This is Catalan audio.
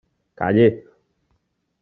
Calle!